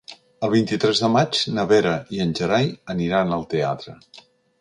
El vint-i-tres de maig na Vera i en Gerai aniran al teatre.